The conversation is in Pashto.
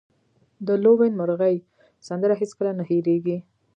د لوون مرغۍ سندره هیڅکله نه هیریږي